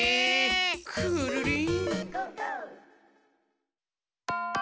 くるりん。